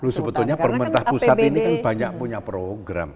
lu sebetulnya pementah pusat ini kan banyak punya program